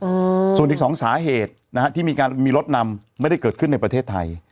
อืมส่วนอีกสองสาเหตุนะฮะที่มีการมีรถนำไม่ได้เกิดขึ้นในประเทศไทย